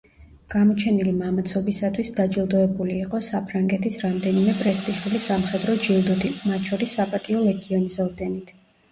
გამოჩენილი მამაცობისათვის დაჯილდოებული იყო საფრანგეთის რამდენიმე პრესტიჟული სამხედრო ჯილდოთი, მათ შორის საპატიო ლეგიონის ორდენით.